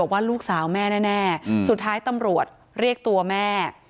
ว่าลูกสาวแม่แน่สุดท้ายตำรวจเรียกตัวแม่